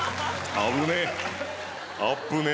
危ねえ。